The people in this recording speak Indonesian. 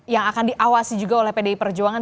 yang akan diawasi juga oleh pdi perjuangan